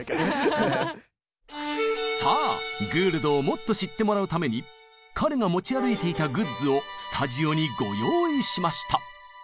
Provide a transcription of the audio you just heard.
さあグールドをもっと知ってもらうために彼が持ち歩いていたグッズをスタジオにご用意しました！